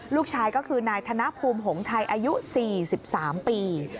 ลูกชายก็คือนายธนภูมิหงไทยอายุ๔๓ปี